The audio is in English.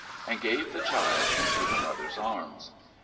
— and gave the child into her mother's arms.